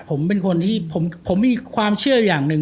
ผมเป็นคนที่ผมมีความเชื่ออย่างหนึ่ง